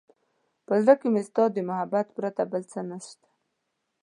په زړه کې مې ستا د محبت پرته بل څه نشته.